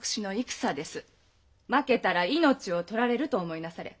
負けたら命を取られると思いなされ。